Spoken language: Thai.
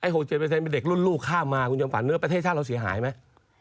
คุณเจมส์ประเทศเป็นเด็กรุ่นลูกข้ามมาคุณจังหวัดเนื้อประเทศชาติเราเสียหายมั้ย